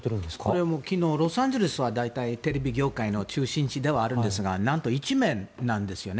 これは昨日ロサンゼルスは大体、テレビ業界の中心地ではあるんですがなんと１面なんですよね。